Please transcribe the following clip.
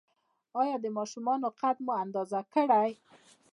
ایا د ماشومانو قد مو اندازه کړی؟